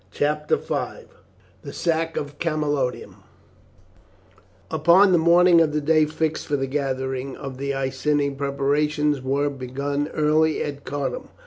CHAPTER V: THE SACK OF CAMALODUNUM Upon the morning of the day fixed for the gathering of the Iceni preparations were begun early at Cardun.